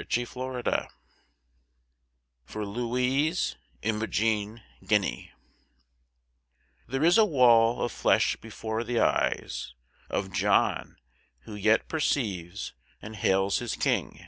The Visitation (For Louise Imogen Guiney) There is a wall of flesh before the eyes Of John, who yet perceives and hails his King.